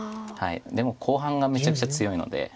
でも後半がめちゃくちゃ強いので。